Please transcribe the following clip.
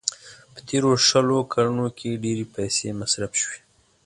په تېرو شلو کلونو کې ډېرې پيسې مصرف شوې.